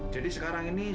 jadi sekarang ini